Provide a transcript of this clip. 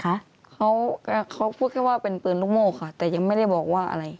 เขาเขาพูดแค่ว่าเป็นปืนลูกโม่ค่ะแต่ยังไม่ได้บอกว่าอะไร